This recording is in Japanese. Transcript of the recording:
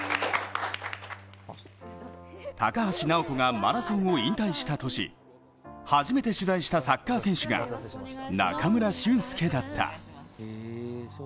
高橋尚子がマラソンを引退した年、初めて取材したサッカー選手が中村俊輔だった。